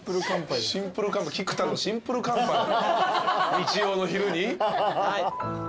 日曜の昼に？